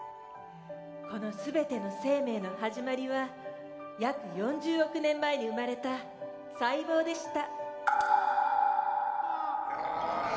この全ての生命の始まりは約４０億年前に生まれた細胞でした。